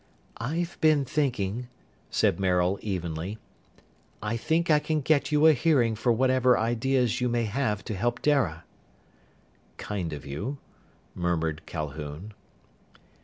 "I've been thinking," said Maril evenly. "I think I can get you a hearing for whatever ideas you may have to help Dara." "Kind of you," murmured Calhoun.